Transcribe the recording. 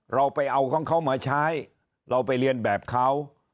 เราไปเอาของเขามาใช้เราไปเรียนแบบเขา